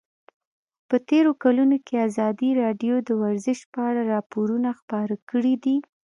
په تېرو کلونو کې ازادي راډیو د ورزش په اړه راپورونه خپاره کړي دي.